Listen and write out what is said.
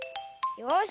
よし！